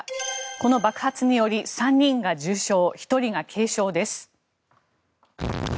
この爆発により３人が重傷１人が軽傷です。